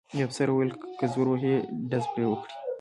یوه افسر وویل: که زور وهي ډز پرې وکړئ.